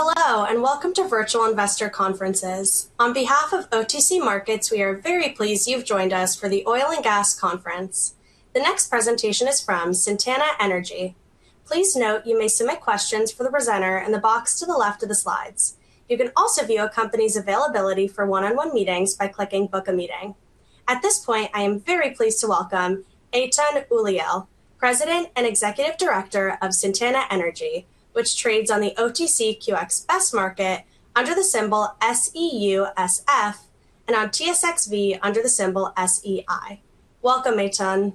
Hello, and welcome to virtual investor conferences. On behalf of OTC Markets, we are very pleased you've joined us for the oil and gas conference. The next presentation is from Sintana Energy. Please note you may submit questions for the presenter in the box to the left of the slides. You can also view a company's availability for one-on-one meetings by clicking Book a Meeting. At this point, I am very pleased to welcome Eytan Uliel, President and Executive Director of Sintana Energy, which trades on the OTCQX Best Market under the symbol SEUSF and on TSXV under the symbol SEI. Welcome, Eytan.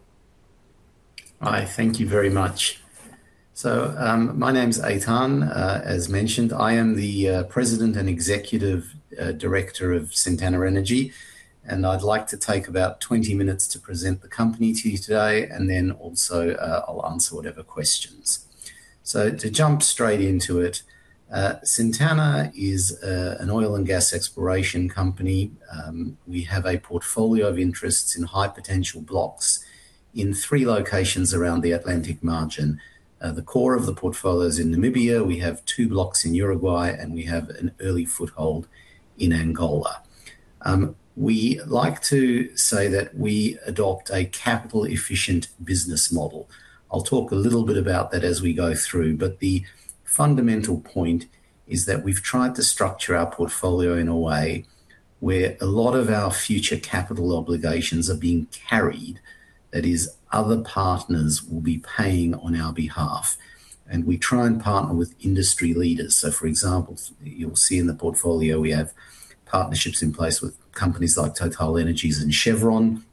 Hi. Thank you very much. My name's Eytan, as mentioned. I am the President and Executive Director of Sintana Energy. I'd like to take about 20 minutes to present the company to you today, and then also, I'll answer whatever questions. To jump straight into it, Sintana is an oil and gas exploration company. We have a portfolio of interests in high potential blocks in three locations around the Atlantic margin. The core of the portfolio is in Namibia, we have two blocks in Uruguay, and we have an early foothold in Angola. We like to say that we adopt a capital-efficient business model. I'll talk a little bit about that as we go through. The fundamental point is that we've tried to structure our portfolio in a way where a lot of our future capital obligations are being carried. That is, other partners will be paying on our behalf. We try and partner with industry leaders. For example, you'll see in the portfolio we have partnerships in place with companies like TotalEnergies and Chevron.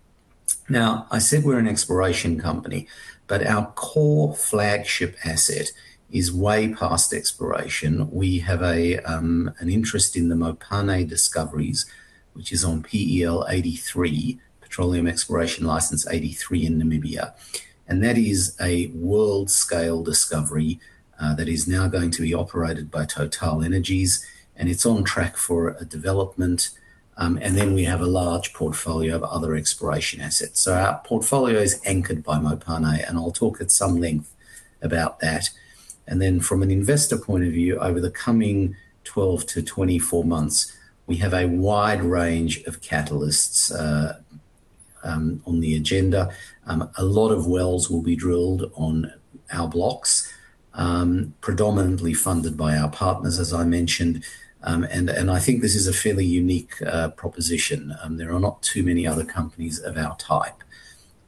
Now, I said we're an exploration company, but our core flagship asset is way past exploration. We have an interest in the Mopane discoveries, which is on PEL 83, Petroleum Exploration License 83 in Namibia. That is a world-scale discovery, that is now going to be operated by TotalEnergies, and it's on track for a development. Then we have a large portfolio of other exploration assets. Our portfolio is anchored by Mopane, and I'll talk at some length about that. Then from an investor point of view, over the coming 12-24 months, we have a wide range of catalysts on the agenda. A lot of wells will be drilled on our blocks. Predominantly funded by our partners, as I mentioned. I think this is a fairly unique proposition. There are not too many other companies of our type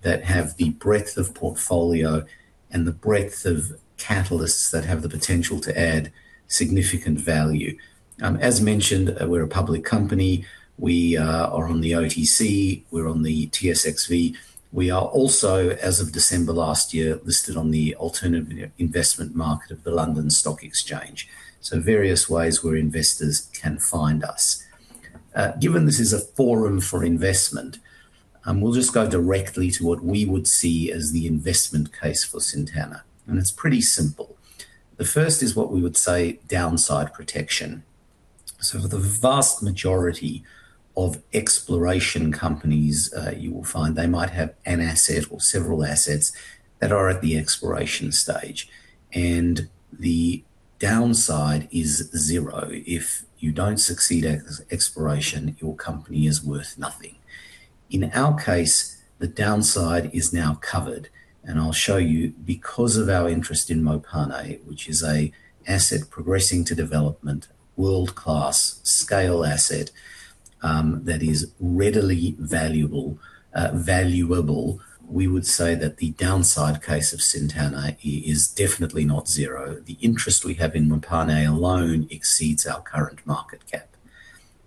that have the breadth of portfolio and the breadth of catalysts that have the potential to add significant value. As mentioned, we're a public company. We are on the OTC, we're on the TSXV. We are also, as of December last year, listed on the Alternative Investment Market of the London Stock Exchange. Various ways where investors can find us. Given this is a forum for investment, we'll just go directly to what we would see as the investment case for Sintana, and it's pretty simple. The first is what we would say downside protection. For the vast majority of exploration companies, you will find they might have an asset or several assets that are at the exploration stage, and the downside is zero. If you don't succeed at exploration, your company is worth nothing. In our case, the downside is now covered. I'll show you because of our interest in Mopane, which is a asset progressing to development, world-class scale asset, that is readily valuable. We would say that the downside case of Sintana is definitely not zero. The interest we have in Mopane alone exceeds our current market cap.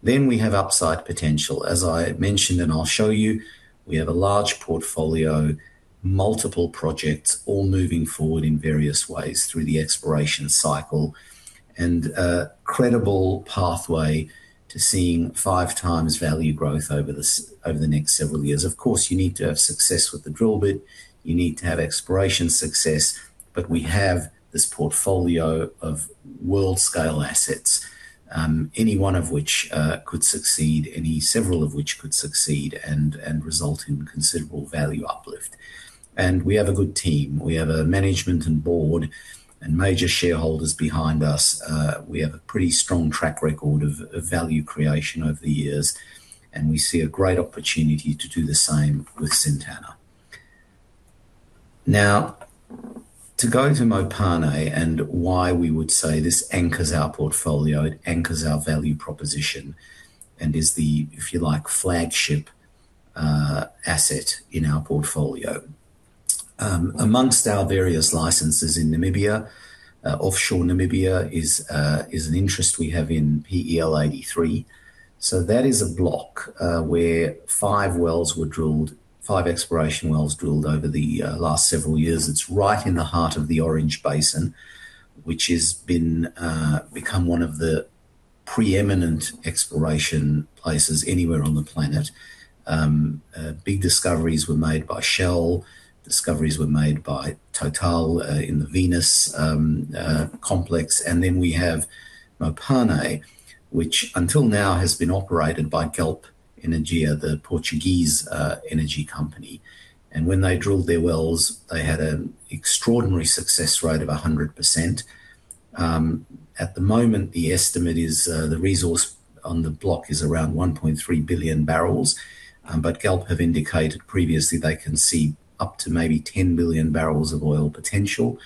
We have upside potential. As I mentioned, and I'll show you, we have a large portfolio, multiple projects, all moving forward in various ways through the exploration cycle. A credible pathway to seeing five times value growth over the next several years. Of course, you need to have success with the drill bit. You need to have exploration success. We have this portfolio of world-scale assets. Any one of which, could succeed, any several of which could succeed and result in considerable value uplift. We have a good team. We have a management and board and major shareholders behind us. We have a pretty strong track record of value creation over the years, and we see a great opportunity to do the same with Sintana. Now to go to Mopane and why we would say this anchors our portfolio, it anchors our value proposition, and is the, if you like, flagship asset in our portfolio. Among our various licenses in Namibia, offshore Namibia is an interest we have in PEL 83. So that is a block where five wells were drilled, five exploration wells drilled over the last several years. It's right in the heart of the Orange Basin, which has become one of the preeminent exploration places anywhere on the planet. Big discoveries were made by Shell. Discoveries were made by TotalEnergies in the Venus complex. Then we have Mopane, which until now has been operated by Galp Energia, the Portuguese energy company. When they drilled their wells, they had an extraordinary success rate of 100%. At the moment, the estimate is the resource on the block is around 1.3 billion barrels. Galp have indicated previously they can see up to maybe 10 billion barrels of oil potential.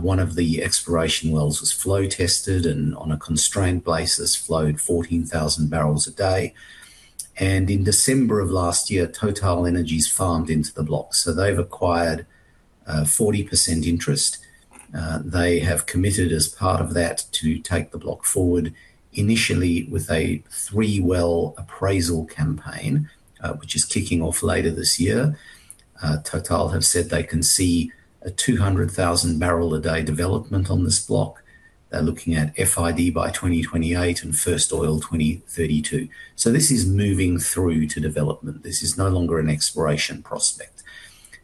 One of the exploration wells was flow tested and on a constrained basis, flowed 14,000 barrels a day. In December of last year, TotalEnergies farmed into the block. They've acquired a 40% interest. They have committed as part of that to take the block forward initially with a three-well appraisal campaign, which is kicking off later this year. TotalEnergies have said they can see a 200,000-barrel-a-day development on this block. They're looking at FID by 2028 and First Oil 2032. This is moving through to development. This is no longer an exploration prospect.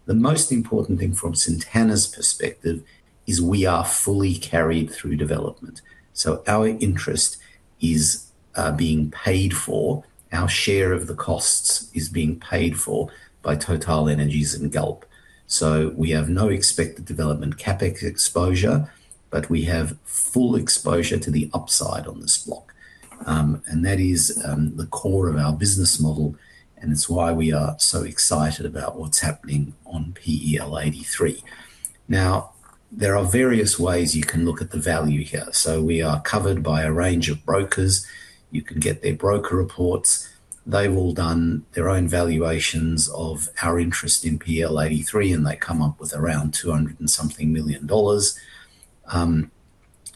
The most important thing from Sintana's perspective is we are fully carried through development. Our interest is being paid for. Our share of the costs is being paid for by TotalEnergies and Galp. We have no expected development CapEx exposure, but we have full exposure to the upside on this block. That is the core of our business model, and it's why we are so excited about what's happening on PEL 83. Now, there are various ways you can look at the value here. We are covered by a range of brokers. You can get their broker reports. They've all done their own valuations of our interest in PEL 83, and they come up with around $200 million.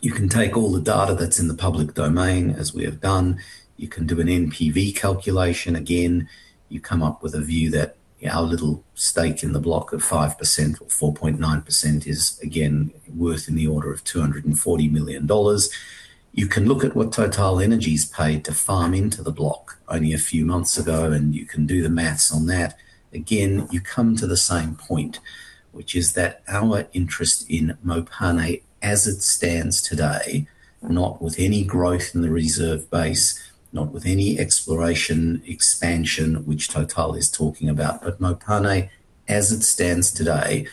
You can take all the data that's in the public domain as we have done. You can do an NPV calculation. Again, you come up with a view that our little stake in the block of 5% or 4.9% is again worth in the order of $240 million. You can look at what TotalEnergies paid to farm into the block only a few months ago, and you can do the math on that. Again, you come to the same point, which is that our interest in Mopane as it stands today, not with any growth in the reserve base, not with any exploration expansion, which Total is talking about. Mopane as it stands today,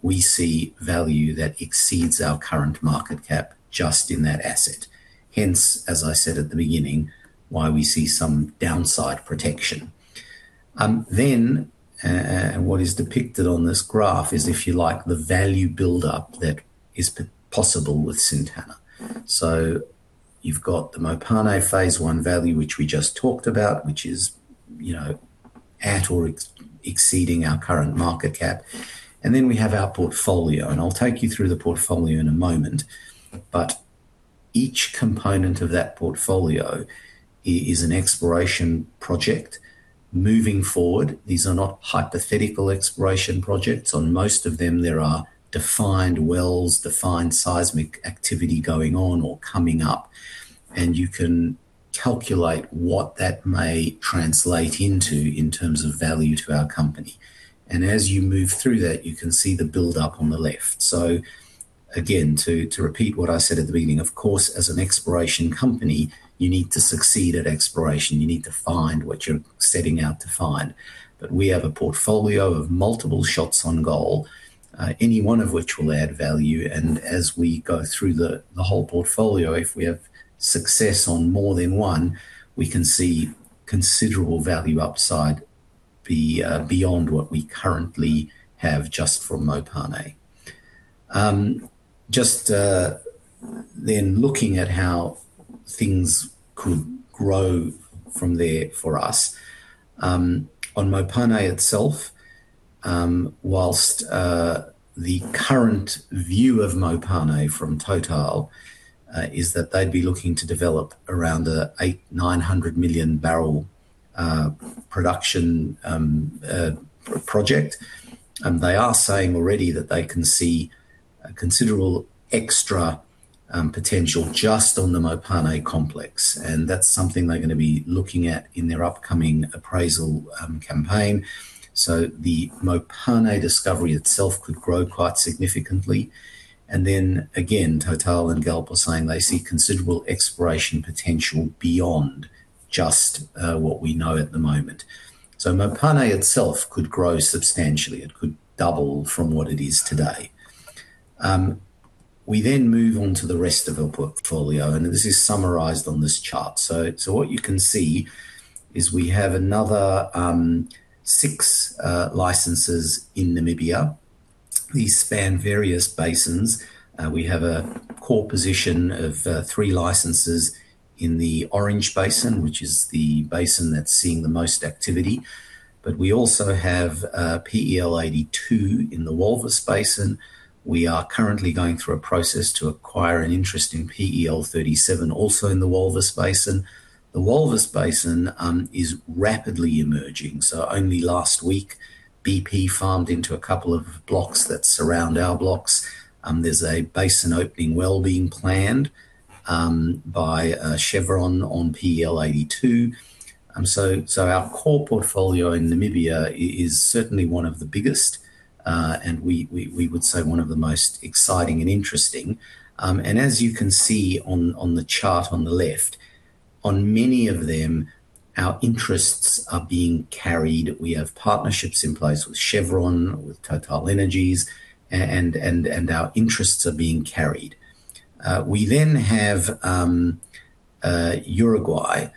we see value that exceeds our current market cap just in that asset. Hence, as I said at the beginning, why we see some downside protection. What is depicted on this graph is, if you like, the value buildup that is possible with Sintana. You've got the Mopane Phase 1 value, which we just talked about, which is at or exceeding our current market cap. Then we have our portfolio, and I'll take you through the portfolio in a moment. Each component of that portfolio is an exploration project moving forward. These are not hypothetical exploration projects. On most of them, there are defined wells, defined seismic activity going on or coming up, and you can calculate what that may translate into in terms of value to our company. As you move through that, you can see the buildup on the left. Again, to repeat what I said at the beginning, of course, as an exploration company, you need to succeed at exploration. You need to find what you're setting out to find. We have a portfolio of multiple shots on goal, any one of which will add value. As we go through the whole portfolio, if we have success on more than one, we can see considerable value upside beyond what we currently have just from Mopane. Just then looking at how things could grow from there for us. On Mopane itself, while the current view of Mopane from Total is that they'd be looking to develop around an 800 million, 900 million barrel production project. They are saying already that they can see a considerable extra potential just on the Mopane complex. That's something they're going to be looking at in their upcoming appraisal campaign. The Mopane discovery itself could grow quite significantly. Then again, Total and Galp are saying they see considerable exploration potential beyond just what we know at the moment. Mopane itself could grow substantially. It could double from what it is today. We then move on to the rest of our portfolio, and this is summarized on this chart. What you can see is we have another six licenses in Namibia. These span various basins. We have a core position of three licenses in the Orange Basin, which is the basin that's seeing the most activity. We also have PEL 82 in the Walvis Basin. We are currently going through a process to acquire an interest in PEL 37, also in the Walvis Basin. The Walvis Basin is rapidly emerging. Only last week, BP farmed into a couple of blocks that surround our blocks. There's a basin opening well being planned by Chevron on PEL 82. Our core portfolio in Namibia is certainly one of the biggest, and we would say one of the most exciting and interesting. As you can see on the chart on the left, on many of them, our interests are being carried. We have partnerships in place with Chevron, with TotalEnergies, and our interests are being carried. We have Uruguay.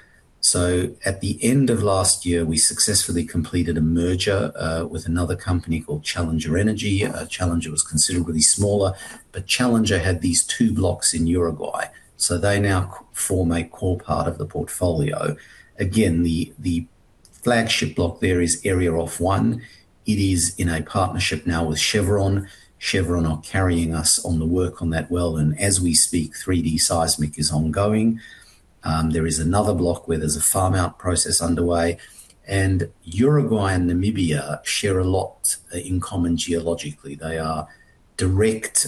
At the end of last year, we successfully completed a merger with another company called Challenger Energy. Challenger was considerably smaller, but Challenger had these two blocks in Uruguay. They now form a core part of the portfolio. Again, the flagship block there is Area OFF-1. It is in a partnership now with Chevron. Chevron are carrying us on the work on that well. As we speak, 3D seismic is ongoing. There is another block where there's a farm-out process underway. Uruguay and Namibia share a lot in common geologically. They are direct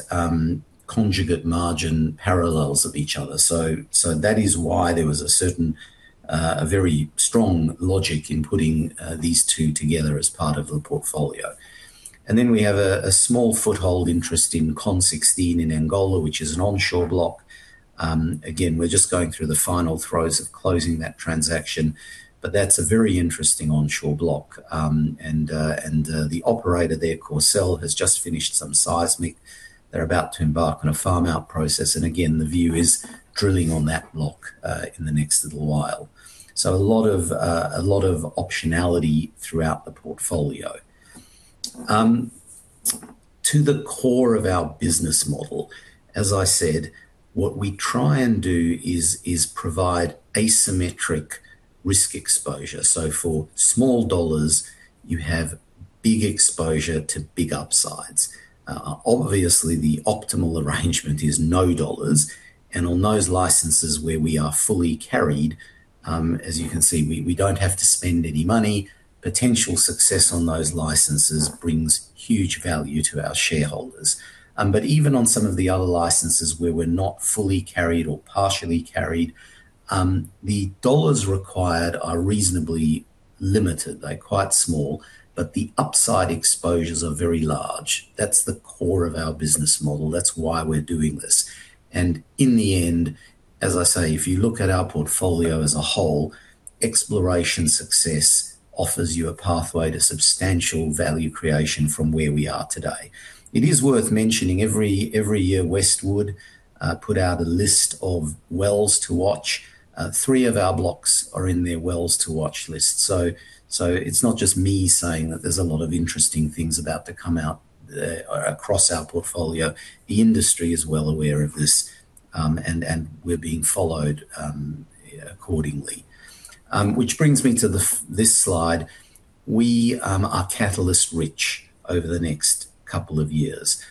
conjugate margin parallels of each other. That is why there was a very strong logic in putting these two together as part of the portfolio. Then we have a small foothold interest in CON-16 in Angola, which is an onshore block. Again, we're just going through the final throes of closing that transaction. That's a very interesting onshore block. The operator there, Corcel, has just finished some seismic. They're about to embark on a farm-out process. Again, the view is drilling on that block in the next little while. A lot of optionality throughout the portfolio. At the core of our business model, as I said, what we try and do is provide asymmetric risk exposure. For small dollars, you have big exposure to big upsides. Obviously, the optimal arrangement is no dollars. On those licenses where we are fully carried, as you can see, we don't have to spend any money. Potential success on those licenses brings huge value to our shareholders. Even on some of the other licenses where we're not fully carried or partially carried, the dollars required are reasonably limited. They're quite small. The upside exposures are very large. That's the core of our business model. That's why we're doing this. In the end, as I say, if you look at our portfolio as a whole, exploration success offers you a pathway to substantial value creation from where we are today. It is worth mentioning every year Westwood put out a list of wells to watch. Three of our blocks are in their wells to watch list. It's not just me saying that there's a lot of interesting things about to come out across our portfolio. The industry is well aware of this, and we're being followed accordingly. Which brings me to this slide. We are catalyst-rich over the next couple of years.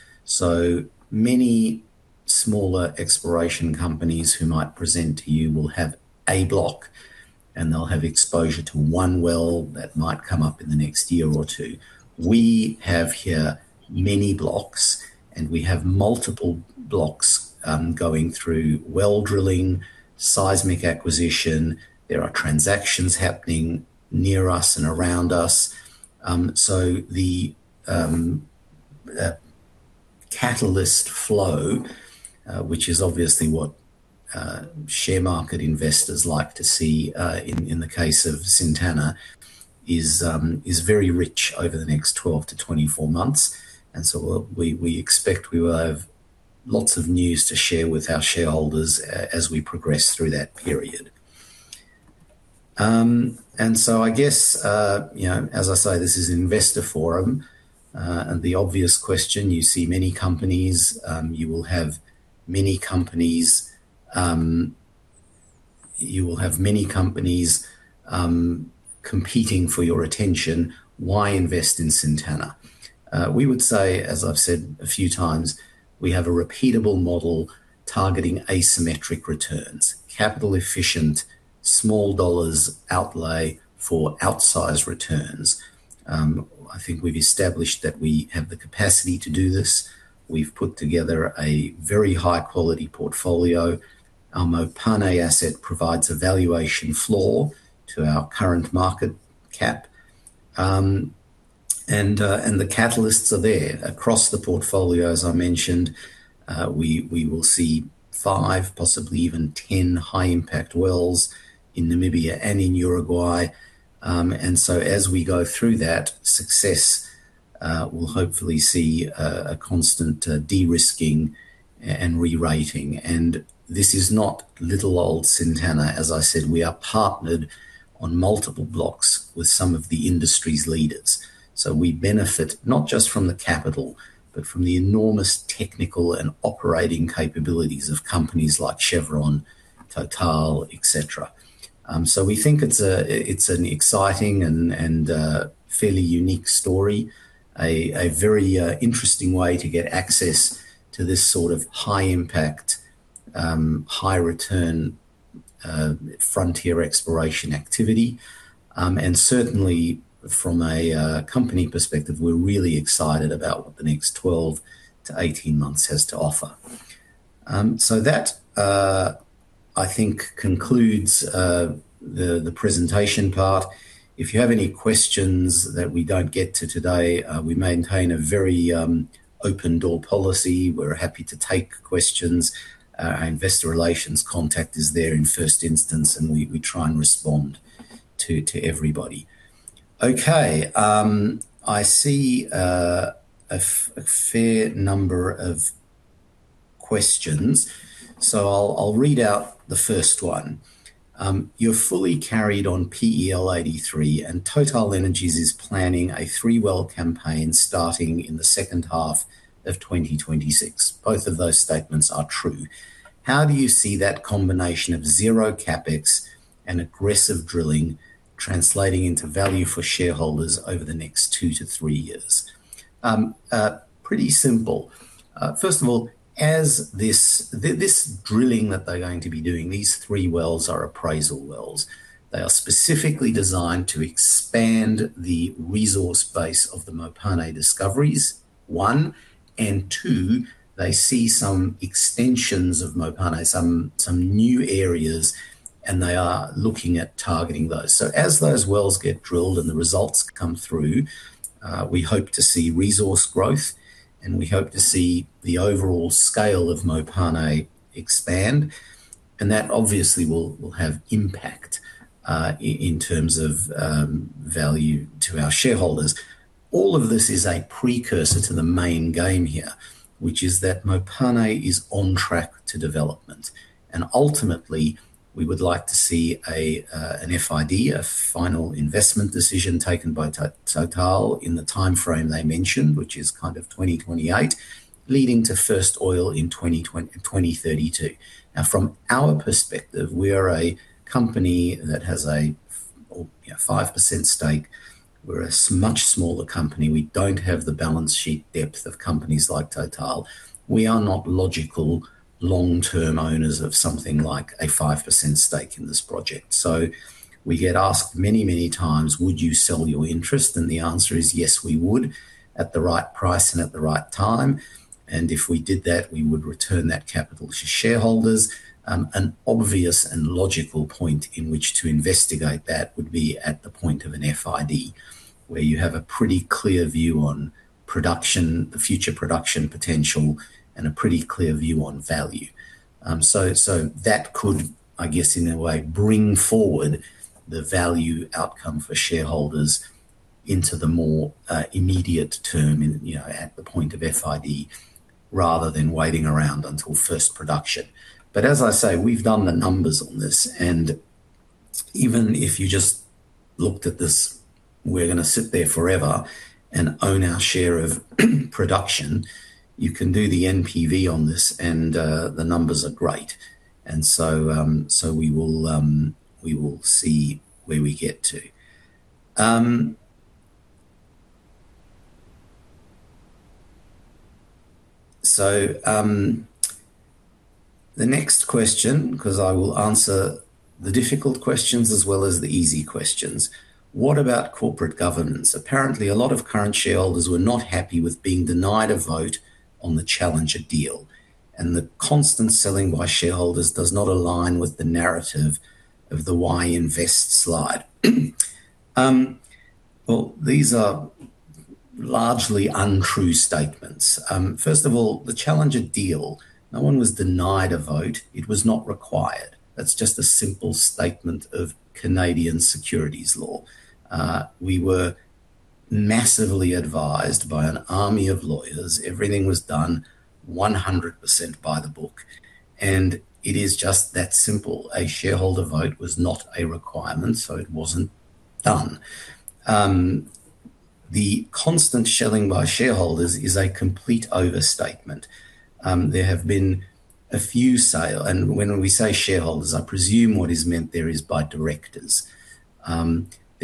Many smaller exploration companies who might present to you will have a block, and they'll have exposure to one well that might come up in the next year or two. We have here many blocks. We have multiple blocks going through well drilling, seismic acquisition. There are transactions happening near us and around us. The catalyst flow, which is obviously what share market investors like to see in the case of Sintana, is very rich over the next 12-24 months. We expect we will have lots of news to share with our shareholders as we progress through that period. I guess, as I say, this is Investor Forum. The obvious question, you see many companies, you will have many companies competing for your attention. Why invest in Sintana? We would say, as I've said a few times, we have a repeatable model targeting asymmetric returns. Capital efficient, small dollars outlay for outsized returns. I think we've established that we have the capacity to do this. We've put together a very high-quality portfolio. Our Mopane asset provides a valuation floor to our current market cap. The catalysts are there across the portfolio. As I mentioned, we will see five, possibly even 10 high-impact wells in Namibia and in Uruguay. As we go through that success, we'll hopefully see a constant de-risking and re-rating. This is not little old Sintana. As I said, we are partnered on multiple blocks with some of the industry's leaders. We benefit not just from the capital, but from the enormous technical and operating capabilities of companies like Chevron, Total, et cetera. we think it's an exciting and fairly unique story. A very interesting way to get access to this sort of high impact, high return frontier exploration activity, certainly from a company perspective, we're really excited about what the next 12-18 months has to offer. That, I think, concludes the presentation part. If you have any questions that we don't get to today, we maintain a very open door policy. We're happy to take questions. Our investor relations contact is there in first instance, and we try and respond to everybody. Okay. I see a fair number of questions. I'll read out the first one. "You're fully carried on PEL 83 and TotalEnergies is planning a three-well campaign starting in the second half of 2026." Both of those statements are true. "How do you see that combination of zero CapEx and aggressive drilling translating into value for shareholders over the next two to three years?" Pretty simple. First of all, this drilling that they're going to be doing, these three wells are appraisal wells. They are specifically designed to expand the resource base of the Mopane discoveries, one, and two, they see some extensions of Mopane, some new areas, and they are looking at targeting those. As those wells get drilled and the results come through, we hope to see resource growth, and we hope to see the overall scale of Mopane expand, and that obviously will have impact, in terms of value to our shareholders. All of this is a precursor to the main game here, which is that Mopane is on track to development. Ultimately, we would like to see an FID, a Final Investment Decision taken by TotalEnergies in the timeframe they mentioned, which is kind of 2028, leading to first oil in 2032. Now, from our perspective, we are a company that has a 5% stake. We're a much smaller company. We don't have the balance sheet depth of companies like Total. We are not logical long-term owners of something like a 5% stake in this project. We get asked many, many times, "Would you sell your interest?" The answer is yes, we would, at the right price and at the right time. If we did that, we would return that capital to shareholders. An obvious and logical point in which to investigate that would be at the point of an FID, where you have a pretty clear view on production, the future production potential, and a pretty clear view on value. That could, I guess, in a way, bring forward the value outcome for shareholders into the more immediate term at the point of FID, rather than waiting around until first production. As I say, we've done the numbers on this, and even if you just looked at this, we're going to sit there forever and own our share of production. You can do the NPV on this and the numbers are great. We will see where we get to. The next question, because I will answer the difficult questions as well as the easy questions. "What about corporate governance? Apparently, a lot of current shareholders were not happy with being denied a vote on the Challenger deal, and the constant selling by shareholders does not align with the narrative of the 'why invest' slide." Well, these are largely untrue statements. First of all, the Challenger deal, no one was denied a vote. It was not required. That's just a simple statement of Canadian securities law. We were massively advised by an army of lawyers. Everything was done 100% by the book, and it is just that simple. A shareholder vote was not a requirement, so it wasn't done. The constant selling by shareholders is a complete overstatement. There have been a few sales. When we say shareholders, I presume what is meant there is by directors.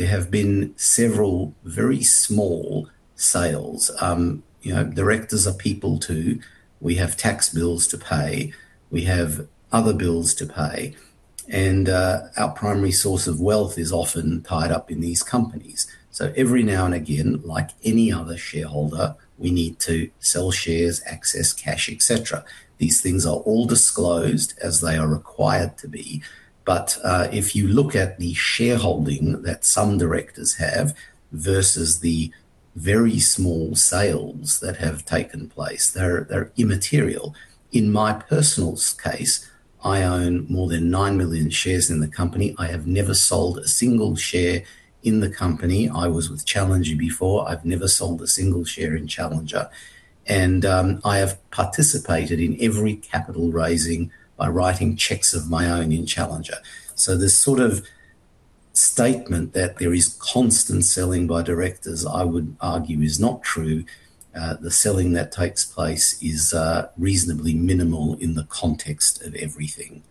There have been several very small sales. Directors are people, too. We have tax bills to pay. We have other bills to pay. Our primary source of wealth is often tied up in these companies. Every now and again, like any other shareholder, we need to sell shares, access cash, et cetera. These things are all disclosed as they are required to be. If you look at the shareholding that some directors have versus the very small sales that have taken place, they're immaterial. In my personal case, I own more than 9 million shares in the company. I have never sold a single share in the company. I was with Challenger before. I've never sold a single share in Challenger. I have participated in every capital raising by writing checks of my own in Challenger. This sort of statement that there is constant selling by directors, I would argue is not true. The selling that takes place is reasonably minimal in the context of everything.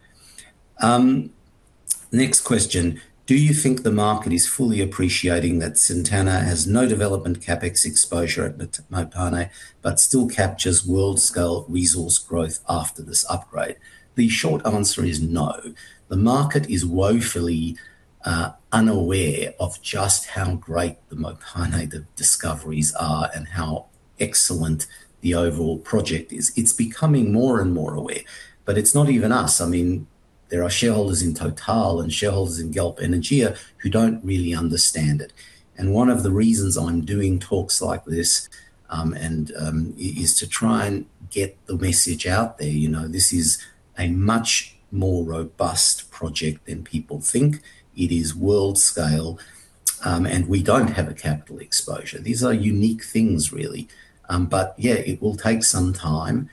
Next question. "Do you think the market is fully appreciating that Sintana has no development CapEx exposure at Mopane but still captures world-scale resource growth after this upgrade?" The short answer is no. The market is woefully unaware of just how great the Mopane discoveries are and how excellent the overall project is. It's becoming more and more aware. It's not even us. There are shareholders in TotalEnergies and shareholders in Galp Energia who don't really understand it. One of the reasons I'm doing talks like this is to try and get the message out there. This is a much more robust project than people think. It is world scale. We don't have a capital exposure. These are unique things, really. Yeah, it will take some time.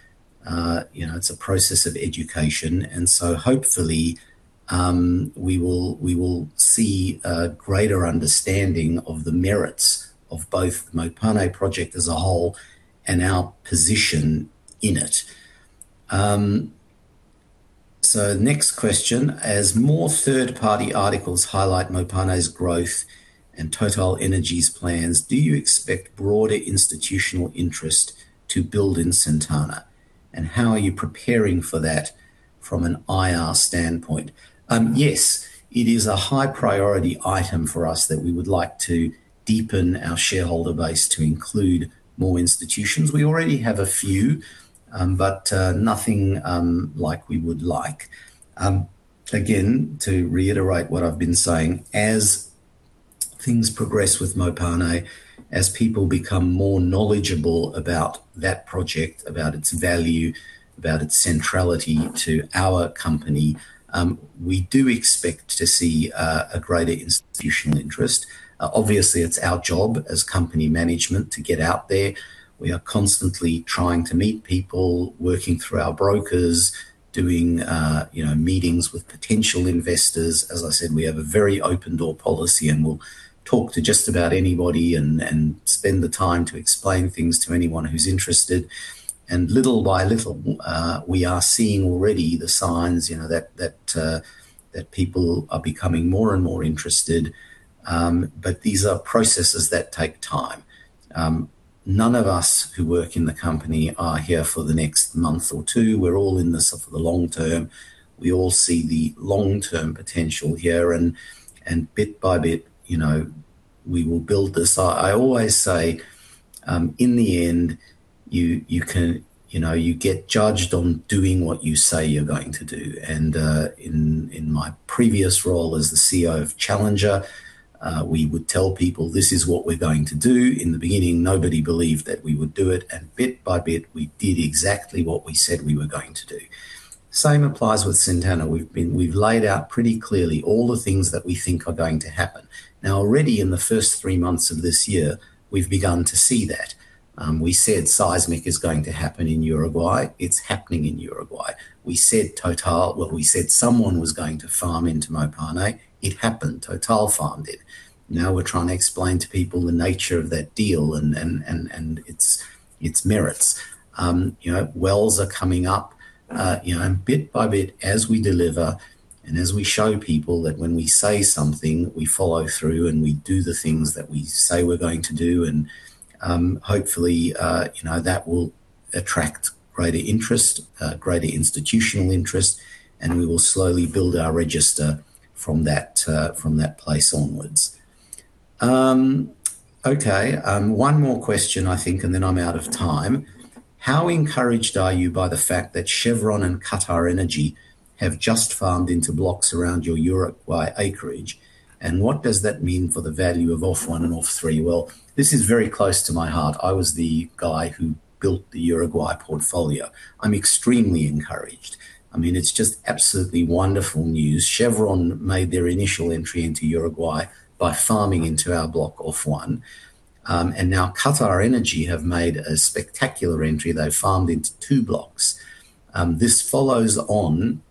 It's a process of education, and so hopefully, we will see a greater understanding of the merits of both the Mopane project as a whole and our position in it. Next question. As more third-party articles highlight Mopane's growth and TotalEnergies' plans, do you expect broader institutional interest to build in Sintana? And how are you preparing for that from an IR standpoint? Yes. It is a high-priority item for us that we would like to deepen our shareholder base to include more institutions. We already have a few. Nothing like we would like. Again, to reiterate what I've been saying, as things progress with Mopane, as people become more knowledgeable about that project, about its value, about its centrality to our company, we do expect to see a greater institutional interest. Obviously, it's our job as company management to get out there. We are constantly trying to meet people, working through our brokers, doing meetings with potential investors. As I said, we have a very open door policy, and we'll talk to just about anybody and spend the time to explain things to anyone who's interested. Little by little, we are seeing already the signs that people are becoming more and more interested. These are processes that take time. None of us who work in the company are here for the next month or two. We're all in this for the long term. We all see the long-term potential here, and bit by bit we will build this. I always say, in the end, you get judged on doing what you say you're going to do. In my previous role as the CEO of Challenger, we would tell people this is what we're going to do. In the beginning, nobody believed that we would do it, and bit by bit, we did exactly what we said we were going to do. Same applies with Sintana. We've laid out pretty clearly all the things that we think are going to happen. Now, already in the first three months of this year, we've begun to see that. We said seismic is going to happen in Uruguay. It's happening in Uruguay. We said someone was going to farm into Mopane. It happened. TotalEnergies farmed it. Now we're trying to explain to people the nature of that deal and its merits. Wells are coming up. Bit by bit, as we deliver and as we show people that when we say something, we follow through, and we do the things that we say we're going to do and, hopefully, that will attract greater interest, greater institutional interest, and we will slowly build our register from that place onwards. Okay. One more question, I think, and then I'm out of time. How encouraged are you by the fact that Chevron and QatarEnergy have just farmed into blocks around your Uruguay acreage? And what does that mean for the value of OFF-1 and OFF-3? Well, this is very close to my heart. I was the guy who built the Uruguay portfolio. I'm extremely encouraged. It's just absolutely wonderful news. Chevron made their initial entry into Uruguay by farming into our block, OFF-1. Now QatarEnergy have made a spectacular entry. They've farmed into two blocks. This follows on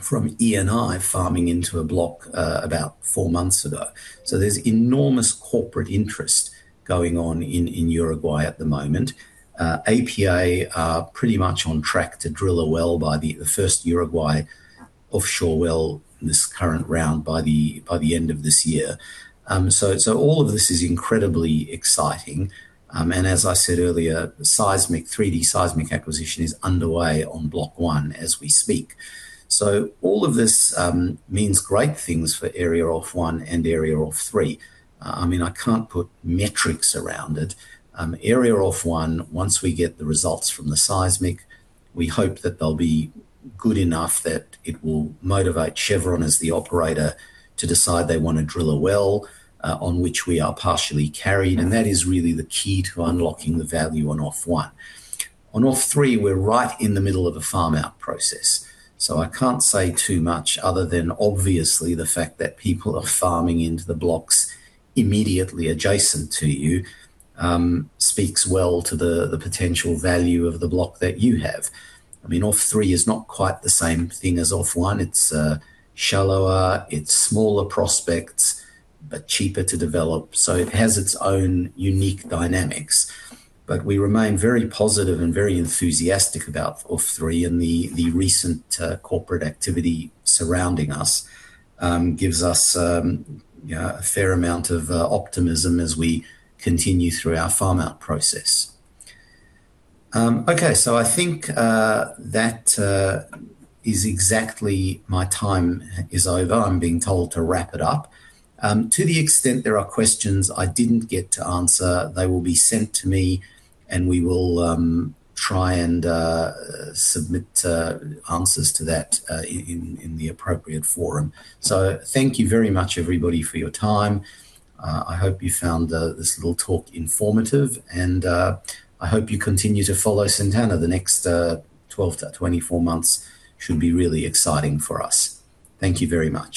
from Eni farming into a block about four months ago. There's enormous corporate interest going on in Uruguay at the moment. APA are pretty much on track to drill the first Uruguay offshore well in this current round by the end of this year. All of this is incredibly exciting. As I said earlier, 3D seismic acquisition is underway on Block 1 as we speak. All of this means great things for Area OFF-1 and Area OFF-3. I can't put metrics around it. Area OFF-1, once we get the results from the seismic, we hope that they'll be good enough that it will motivate Chevron as the operator to decide they want to drill a well, on which we are partially carried, and that is really the key to unlocking the value on OFF-1. On OFF-3, we're right in the middle of a farm-out process. I can't say too much other than, obviously, the fact that people are farming into the blocks immediately adjacent to you speaks well to the potential value of the block that you have. OFF-3 is not quite the same thing as OFF-1. It's shallower, it's smaller prospects but cheaper to develop. It has its own unique dynamics. We remain very positive and very enthusiastic about OFF-3 and the recent corporate activity surrounding us gives us a fair amount of optimism as we continue through our farm-out process. Okay. I think that is exactly my time is over. I'm being told to wrap it up. To the extent there are questions I didn't get to answer, they will be sent to me and we will try and submit answers to that in the appropriate forum. Thank you very much, everybody, for your time. I hope you found this little talk informative and I hope you continue to follow Sintana. The next 12-m24 months should be really exciting for us. Thank you very much.